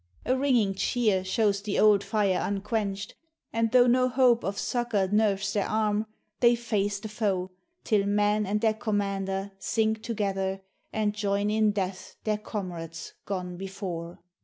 A ringing cheer Shows the old fire unquenched; and though no hope Of succour nerves their arm, they face the foe, Till men and their commander sink together, And join in death their comrades gone before.